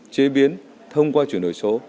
chế biến thông qua chuyển đổi số